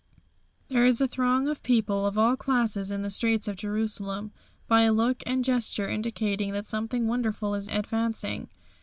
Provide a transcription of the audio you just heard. There is a throng of people of all classes in the streets of Jerusalem, by look and gesture indicating that something wonderful is advancing.